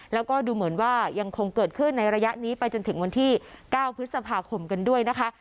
แล้วก็ดูเหมือนว่ายังคงเกิดขึ้นในระยะนี้ไปจนถึงวันที่๙พฤษภาคมกันด้วยนะคะ